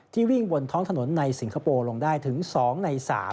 วิ่งบนท้องถนนในสิงคโปร์ลงได้ถึง๒ใน๓